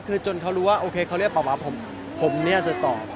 คือจนเขารู้ว่าโอเคเขาเรียกป๊าผมจะตอบ